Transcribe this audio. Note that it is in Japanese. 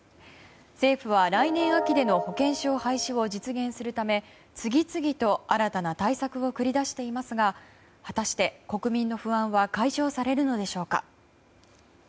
政府は来年秋での保険証廃止を実現するため、次々と新たな対策を繰り出していますが果たして、国民の不安は解消されるのでしょうか。